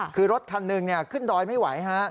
คือรถคันหนึ่งขึ้นดอยไม่ไหวฮะ